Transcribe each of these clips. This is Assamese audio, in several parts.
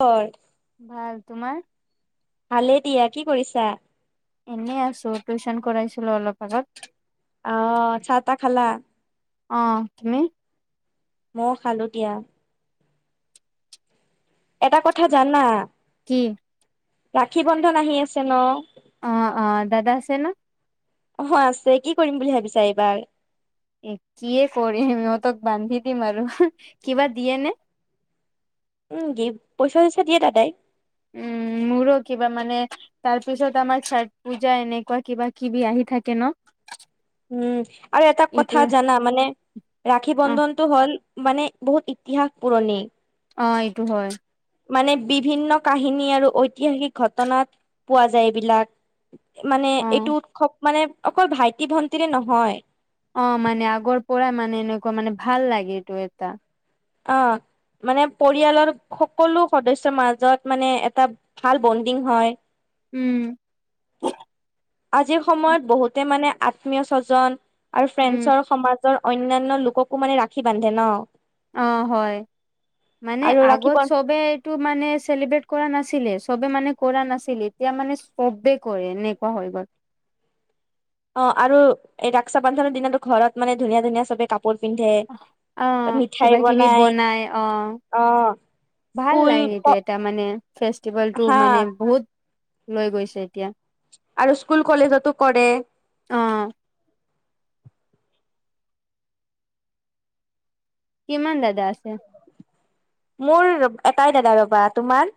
হয়। ভাল, তোমাৰ? ভালেই দিয়া, কি কৰিছা? এনেই আছোঁ, টিউচন কৰাইছিলোঁ অলপ আগত। অ', চাহ তাহ খালা? অ', তুমি? মওঁ খালোঁ দিয়া। এটা কথা জানা! কি? ৰাখী বন্ধন আহি আছে ন। অ', অ', দাদা আছে ন? অহ, আছে। কি কৰিম বুলি ভাবিছা এইবাৰ? এ, কিয়ে কৰিম সিহঁতক বান্ধি দিম আৰু। কিবা দিয়ে নে? উম, গিফ্ট পইচা-চইচা দিয়ে দাদাই। উম, মোৰো কিবা মানে তাৰপিছত আমাৰ ছট পূজা, এনেকুৱা কিবা কিবি আহি থাকে ন। উম, আৰু এটা এইটো কথা জানা মানে ৰাখী অ বন্ধন টো হ'ল মানে বহুত ইতিহাস পুৰণি। অ', এইটো হয়। মানে বিভিন্ন কাহিনী আৰু ঐতিহাসিক ঘটনাত পোৱা যায় এইবিলাক। মানে অ এইটো উৎসৱ মানে অকল ভাইটি ভন্টিৰে নহয়। অ', মানে আগৰ পৰাই মানে এনেকুৱা মানে ভাল লাগে এইটো এটা। অ'। মানে পৰিয়ালৰ সকলো সদস্যৰ মাজত মানে এটা ভাল বণ্ডিং হয়। উম। আজিৰ সময়ত বহুতে মানে আত্মীয় স্বজন আৰু উম ফ্ৰেণ্ডছ সমাজ অন্যান্য লোককো মানে ৰাখি বান্ধে ন'। অ', হয়, মানে আৰু ৰাখি আগত বন চবে টো মানে চেলিব্ৰেট কৰা নাছিলে, চবে মানে কৰা নাছিলে। এতিয়া মানে চবে কৰে এনেকুৱা হৈ গ'ল। অ', আৰু এই ৰকচা বন্ধনৰ দিনাতো ঘৰত মানে ধুনীয়া ধুনীয়া চবে কাপ কাপোৰ পিন্ধে অ ত' মিঠাই কিবা কিবি বনাই, অ অ'। ভাল স্কুল লাগে এইটো এটা মানে, ফেষ্টিভেল টো হা মানে বহুত। লৈ গৈছে এতিয়া। আৰু স্কুল কলেজতো কৰে। অ কিমান দাদা আছে? মোৰ এটাই দাদাই ৰ'বা। তোমাৰ?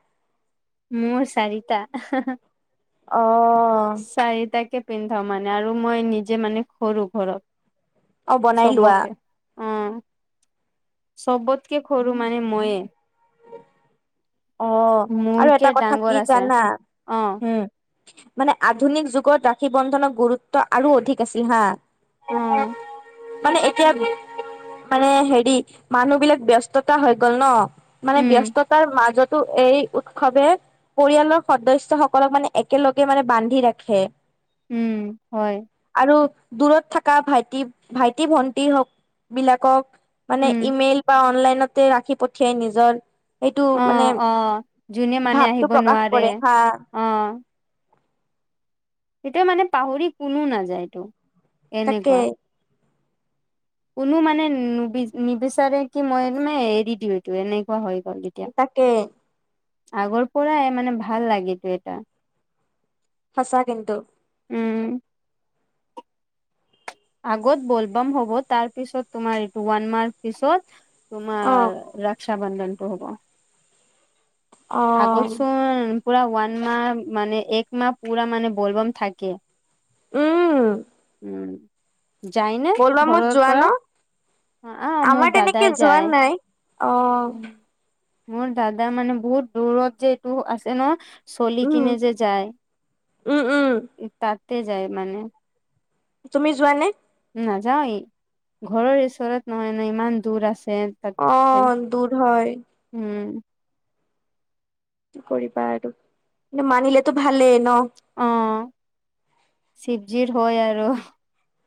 মোৰ চাৰিটা। [unintelligible] অ'। চাৰিটাকে পিন্ধাও মানে আৰু মই নিজে মানে সৰু ঘৰত। অ', বনাই লোৱা চবকে। অ', চবতকে সৰু মানে ময়ে। অ আৰু মোৰকে এটা কথা ডাঙৰ কি আছে জানা? অ হম। মানে আধুনিক যুগত ৰাশি বন্ধনৰ গুৰুত্ব আৰু অধিক আছিল হা। অ [unintelligible] মানে এতিয়া, মানে হেৰি মানুহ বিলাক ব্যস্ততা হৈ গল ন? মানে উম ব্যস্ততাৰ মাজতো এই উৎসৱে পৰিয়ালৰ সদস্য সকলক মানে একেলগে মানে বান্ধি ৰাখে। উম, হয়। আৰু দূৰত থকা ভাইটি ভাইটি ভন্টি হওক বিলাকক। মানে উম ইমেইল বা অনলাইনতে ৰাখি পঠিয়াই নিজৰ এইটো মানে অ', অ', ভাৱটো প্ৰকাশ কৰে হা। অঁ। সেইটোৱে মানে পাহৰি কোনো নাযায় এটো, তাকে এনেকুৱা। কোনো মানে [unintelligible] নিবিচাৰে কি মই মানে এৰি দিওঁ এইটো, এনেকুৱা হৈ গ'ল [unintelligible] তাকে। আগৰ পৰাই মানে ভাল লাগেতো এটা। সঁচা কিন্তু। উম আগত বলবাম হ'ব। তাৰ পিছত তোমাৰ এইটো ওৱান মাৰ্ক পিছত। অ', তোমাৰ ৰাক্সা বন্ধণ্টু হ'ব। অ'। আগতচোন পুৰা ওৱান মাহ মানে এক মাহ পুৰা মানে বলবম থাকে। উম। উ, যায়নে বলবামত ঘৰৰ যোৱা পৰা? ন আ, আমাৰ মোৰ তেনেকে দাদাই যোৱা যায়। নাই অ। মোৰ দাদা মানে বহুত দূৰত যে এইটো আছে ন, চলি উম কিনে যে যায়, উম উম তাতে যায় মানে। তুমি যোৱা নে? নাযাওয়ে, ঘৰৰ ওচৰত নহয় ন? ইমান দূৰ আছে। তাত অ, দূৰ হয়। উম। কি কৰিবা আৰু। কিন্ত মানিলেতো ভালেই ন? অ, শিৱজিৰ হয় আৰু।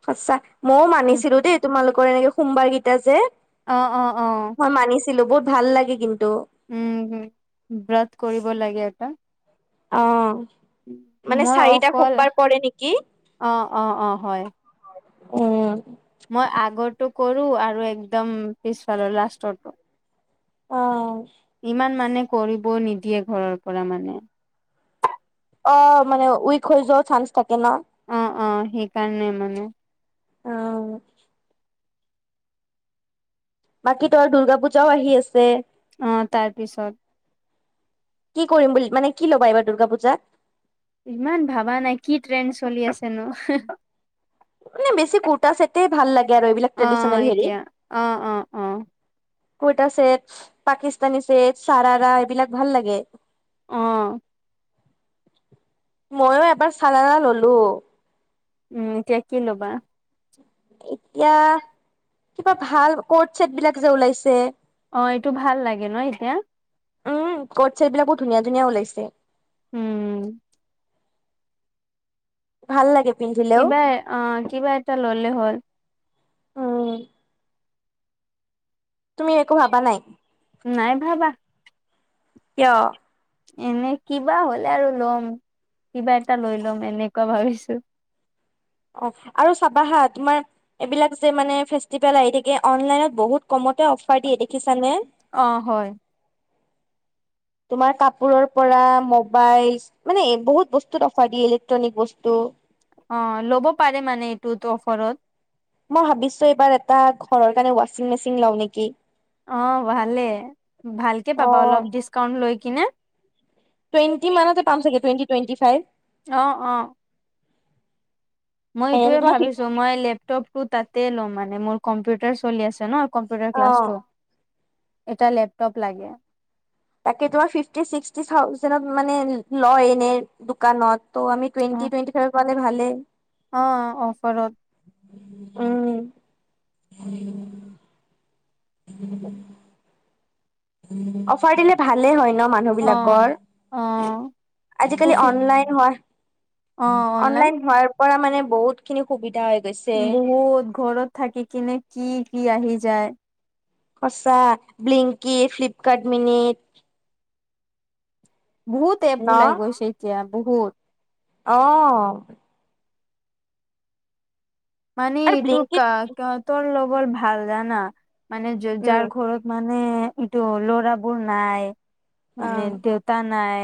হচ্ছা। ময়ও মানিছিলো দেই তোমালোকৰ এনেকে সোমবাৰ কেইটা যে। অ অ অ। ছিলো বহুত ভাল লাগে কিন্তু। হম ব্ৰাত কৰিব লাগে এটা। অ, মানে মই চাৰিটা অকল সোমবাৰ পৰে নেকি? অ অ অ হয় উম। মই আগোৰটো কৰো আৰু একদম পিছফালৰ লাষ্টোৰটো। অ। ইমান মানে কৰিব নিদিয়ে, ঘৰৰ পৰা মানে। অ মানে উইক হৈ যোৱাও চান্স থাকে ন। অ অ, সেইকাৰণে মানে। অ। বাকী ত দুৰ্গা পূজাও আহি আছে। অ, তাৰ পিছত। কি কৰিম বুলি মানে কি ল'বা এইবাৰ দুৰ্গা পূজাত? ইমান ভাবা না কি ট্ৰেণ্ড চলি আছেনো। মানে বেছি কুৰটা ছেটে ভাল লাগে। আৰু এইবিলাক অঁ ট্ৰেডিচনেল হেৰিত এতিয়া অঁ অঁ অঁ। কুৰ্তা ছেট পাকিস্তানী ছেট চাৰাৰা এইবিলাক ভাল লাগে। অঁ। মইয়ো এবাৰ চাৰাৰা ললো। উম এতিয়া কি ল'বা? এতিয়া কিবা ভাল কৰ্ট ছেট বিলাক যে ওলাইছে। অঁ এইটো ভাল লাগে ন এতিয়া? উম ক'ট ছেট বিলাকো ধুনীয়া ধুনীয়া ওলাইছে। উম। ভাল লাগে পিন্ধিলেও। কিবা অ কিবা এটা ললে হ'ল। উম তুমি একো ভাবা নাই? নাই ভাবা। কিয়? এনে কিবা হলে আৰু লম, কিবা এটা লৈ লম এনেকুৱা ভাবিছো। অহ আৰু চাবা হা তোমাৰ এইবিলাক যে মানে ফেষ্টিভেল আহি থাকে অনলাইনত বহুত কমতে অফাৰ দিয়ে দেখিছানে? অঁ হয়। তোমাৰ কাপোৰৰ পৰা মবাইল মানে বহুত বস্তুত অফাৰ দিয়ে ইলেক্ট্ৰনিক বস্তু। অঁ লব পাৰে মানে এইটোত অফৰত। মই ভাবিছো এইবাৰ এটা ঘৰৰ কাৰণে ৱাচিং মেচিন লও নেকি। অঁ ভালে ভালকে পাবা অ' অলপ ডিচকাউন্ট লৈ কিনে। টুৱেণ্টি মানতে পাম চাগে, টুৱেণ্টি টুৱেণ্টি ফাইভ। অ অ মই এনে এইটোয়ে তোমাৰ ফিফ ভাবিছো মই লেপটপটো তাতে লম মানে মোৰ কম্পিউটাৰ চলি আছে ন। কম্পিউটাৰ অ' ক্লাছটো, এটা লেপটপ লাগে। তাকে তোমাৰ ফিফটি ছিক্সটি থাউজেণ্ডত মানে লয় এনে দোকানত। ত' আমি টুৱেণ্টি টুৱেন্টি ফাইভত পালে ভালেই। অঁ অফাৰত। উম। [inaudible] অফাৰ দিলে ভালে হয় ন মানুহ অ বিলাকৰ অ আজিকালি অফি অনলাইন হোৱা অনলাইন হোৱাৰ পৰা মানে বহুত খিনি সুবিধা হৈ গৈছে। বহুত ঘৰত থাকি কিনে কি কি আহি যায়। সঁচা ব্লিংকি ফ্লিপকাৰ্ট মিনিট বহুত এপ ন ওলাই গৈছে এতিয়া বহুত। অঁ। মানে আৰু ইটো কা ব্লিংকিত তৰ লগৰ ভাল জানা মানে উম যাৰ ঘৰত মা নে এইটো ল'ৰাবোৰ নাই অ মানে দেউতা নাই।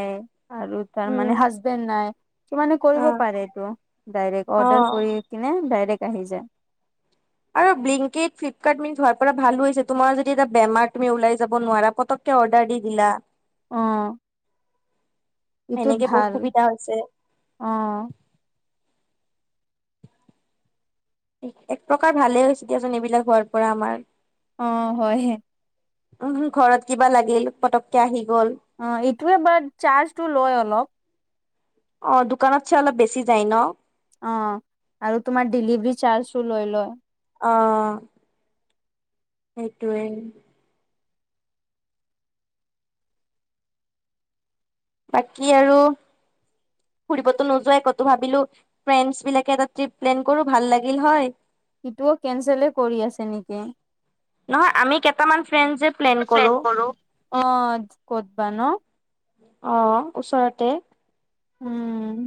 আৰু তাৰ মানে উম হাজবেণ্ড নাই কি মানে অ কৰিব পাৰে এইটো ডাইৰেক্ট অ অৰ্ডাৰ কৰি। কিনে ডাইৰেক্ট আহি যায়। আৰু ব্লিংকিত ফ্লিপকাৰ্ট মিনিট হোৱাৰ পৰা ভালো হৈছে তোমাৰ যদি এটা বেমাৰ তুমি ওলাই যাব নোৱাৰা পতক অৰ্ডাৰ দি দিলা। অ। ইটোত সেনেকে বহুত ভাল সুবিধা হৈছে অ। এক প্ৰকাৰ ভালেই হৈছে দিয়াচোন এইবিলাক হোৱাৰ পৰা আমাৰ। অ হয়। উ ঘৰত কিবা লাগিল পতককে আহি গ'ল। অ এইটোৱে বাট চাৰ্জটো লয় অলপ। অ দোকানত চ অলপ বেছি যায় ন। অ আৰু তোমাৰ ডেলিভাৰী চাৰ্জো লৈ লয়। অ। সেইটোৱে। বাকী আৰু। ফুৰিবতো নোযোৱাই কতো ভাবিলো ফ্ৰেণ্ডচ বিলাকে এটা টপ প্লেন কৰো ভাল লাগিল হয়। সিটোও কেনচলে কৰি আছে নেকি। নহয় আমি কেইটামান ফ্ৰেণ্ডজে প্লেন কৰোঁ। অ ক'দ বা ন। অহ, ওচৰতে। উম।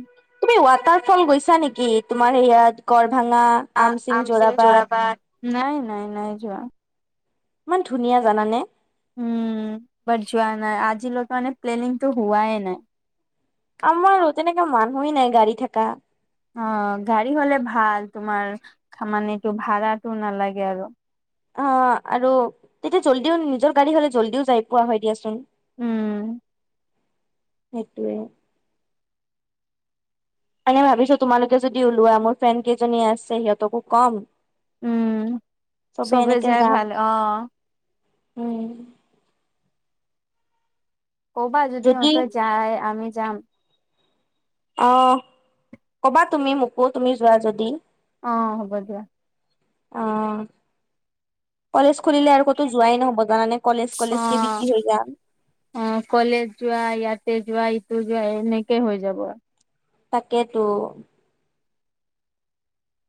এই ৱাটাৰফল গৈছা নেকি তোমাৰ সৈইয়াত? গৰভাঙা- ঙা, আমছি, যোৰাবাট। নাই নাই, নাই যোৱা। ইমান ধুনীয়া জানানে। উম। বত যোৱা নাই। আজিলৈকে মানে প্লেনিংটো হোৱাই নাই। আমাৰ ৰহ, তেনেকে মানুহে নাই গাড়ী থাকা। অ', গাড়ী হ'লে ভাল, তোমাৰ মানে ভাড়াটো নালাগে আৰু। অহ, আৰু তেতিয়া জল্দিও, নিজৰ গাড়ী হ'লে জল্দিও যাই পোৱা হয় দিয়াচোন। উম। সেইটোৱে। মান ভাবিছোঁ, তোমালোকে যদি ওলোৱা, মোৰ ফ্ৰেণ্ড কেইজনী আছে, সিহঁতকো কম। উম চবে এনেকে যাই যাম। ভাল অ উম। ক'বা, যদি ইহঁতে যায়, আমি যাম। অহ, ক'বা তুমি মোকো। তুমি যোৱা যদি। অহ, হ'ব দিয়া। অহ। কলেজ খুলিলে আৰু ক'তো যোৱাই নহ'ব জানানে। কলেজ কলেজকে বিজি হৈ যাম। অহ, কলেজ যোৱা, ইয়াতে যোৱা, ইটো যোৱা- এনেকে হৈ যাব। তাকেতো।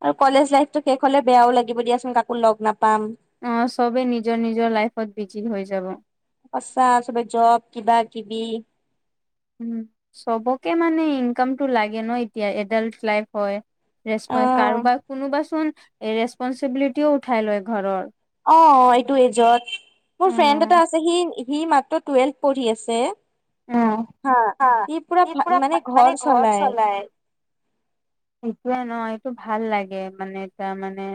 আৰু কলেজ লাইফটো শেষ হ'লে বেয়াও লাগিব দিয়াচোন, কাকো লগ নাপাম। অহ, চবেই নিজৰ নিজৰ লাইফত বিজি হৈ যাব। সঁচা, চবে জব, কিবাকিবি। উম, চবকে মানে ইনকামটো লাগে ন এতিয়া। এডাল্ট লাইফ হয়। ৰেচপ, অ কাৰোবা, কোনোবাচোন এ' ৰেচপনচিবিলিটিও উঠাই লয় ঘৰৰ। অহ, এইটো এজত। মোৰ অ ফ্ৰেণ্ড এটা আছে, সি সি মেত্ৰ টুৱেল্ভ পঢ়ি আছে- অ হা। ই পুৰা, ভা, মানে ঘৰ চলায়। হৈছে ন। এইটো ভাল লাগে মানে, তাৰ মানে।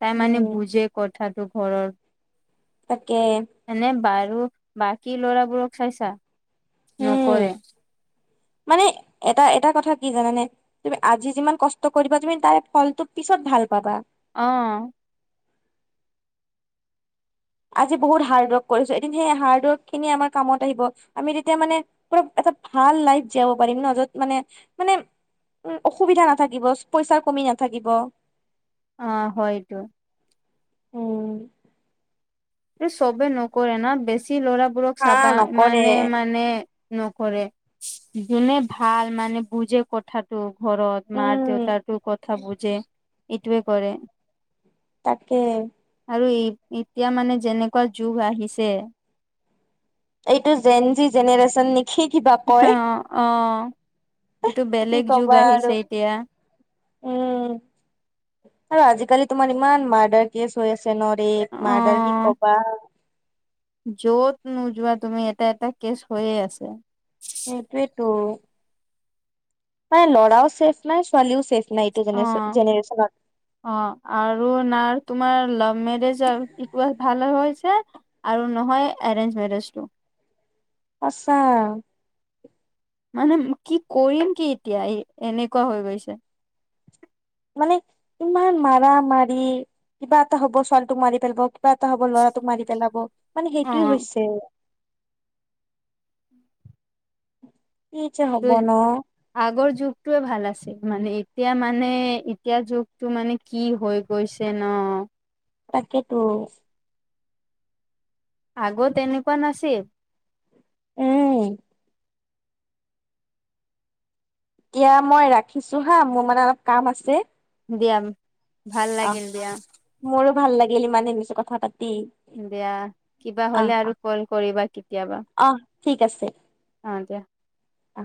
তাই মানে উম বুজে কথাটো ঘৰৰ। তাকে। এনে বাৰু বাকী লৰাবোৰক চাইছা উম নকৰে। মানে, এটা, এটা কথা কি জানানে? কিন্তু আজি যিমান কষ্ট কৰিবা তুমি, তাৰ ফলটো পিছত ভাল পাবা। অহ। আজি বহুত হাৰ্ড ৱৰ্ক কৰিছোঁ, এদিন সেই হাৰ্ড ৱৰ্কখিনি আমাৰ কামত আহিব আমি তেতিয়া মানে- অলপ এটা ভাল লাইফ জীয়াব পাৰিম ন, য'ত মানে, মানে- উম, অসুবিধা নাথাকিব চ পইচাৰ কমি নাথাকিব। অহ, হয়তো। উম। এই চবে নকৰে ন বেছি ল'ৰাবোৰক হা চাবা, নকৰে মানে, মানে- নকৰে যোনে ভাল মানে বুজে কঠা- টো ঘৰত উম মা-দেউতাটো কথা বুজে, এইটোৱে কৰে। তাকে। আৰু ই', এতিয়া মানে যেনেকুৱা যুগ আহিছে- এইটো জেন-জি জেনৰেচন নে অহ, অহ। এইটো কি বেলেগ যুগ কবা আৰু আহিছে এতিয়া। উম, আৰু আজিকালি তোমাৰ ইমান মাৰ্ডাৰ কেছ হৈ আছে ন ৰেপ, অ মাৰ্ডাৰ কি কবা। য'ত নোযোৱা তুমি এটা, এটা কেচ হৈয়ে আছে। সেইটোৱেইেতো। নাই ল'ৰাও ছেফ নাই ছোৱালীও ছেফ নাই এইটো অ জেনেৰেচনত। অ', আৰু নাৰ তোমাৰ লাভ মেৰেজ ইটো ভাল হৈছে আৰু নহয় এৰেঞ্জ মেৰেজটো। সঁচা। মানে কি কৰিম কি এতিয়া এনেকুৱা হৈ গৈছে। মানে ইমান মাৰা মাৰি কিবা এটা হ'ব ছোৱালীটোক মাৰি পেলাব কিবা এটা হ'ব ল'ৰাটোক মাৰি পেলাব। মানে অ সেইটোয়ে হৈছে। কি যে ত হ'ব ন। আগৰ যুগটোৱে ভাল আছিল মানে এতিয়া মানে, এতিয়া যুগটো মানে কি হৈ গৈছে ন। তাকেইটো। আগত এনেকুৱা নাছিল। উম। এতিয়া মই ৰাখিছোঁ হা মোৰ মানে অলপ কাম আছে। দিয়া ভাল আহ লাগিল দিয়া। মোৰো ভাল লাগিল ইমানেই নিছু কথা পাতি। দিয়া কিবা আহ হ'লে আৰু ক'ল কৰিবা কেতিয়াবা। আহ ঠিক আছে। অ', দিয়া। আহ